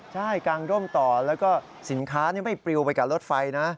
ใช่กางร่มต่อแล้วก็สินค้าไม่ปลิวไปกับรถไฟนะ